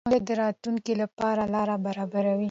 ښوونځی د راتلونکي لپاره لار برابروي